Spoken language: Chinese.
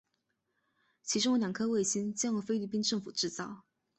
其中的两颗卫星将由菲律宾政府制造。